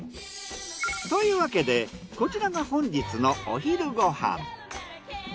というわけでこちらが本日のお昼ご飯。